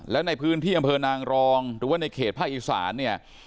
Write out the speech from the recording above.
และในพื้นที่อำเภอนางรองหรือว่าในเขตภาคอีสานเนี่ย